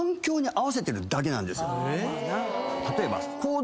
例えば。